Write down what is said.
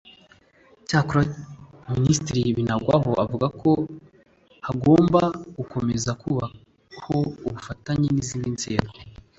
Icyakora Ministiri Binagwaho avuga ko hagomba gukomeza kubaho ubufatanye n’izindi nzego